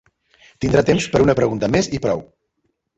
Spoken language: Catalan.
Tindrà temps per a una pregunta més i prou.